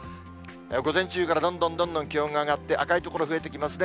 午前中から、どんどんどんどん気温が上がって、赤い所、増えてきますね。